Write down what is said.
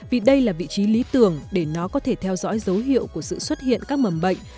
vì đây là vị trí lý tưởng để nó có thể theo dõi dấu hiệu của sự xuất hiện các mầm bệnh